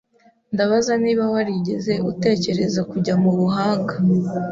Ndabaza niba warigeze utekereza kujya mubuhanga.